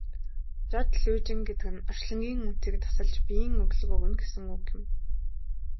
Жод лүйжин гэдэг нь орчлонгийн үндсийг тасалж биеийн өглөг өгнө гэсэн үг юм.